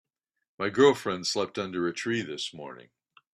My girlfriend slept under a tree this morning.